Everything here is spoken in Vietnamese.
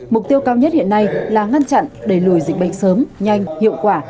mục tiêu cao nhất hiện nay là ngăn chặn đẩy lùi dịch bệnh sớm nhanh hiệu quả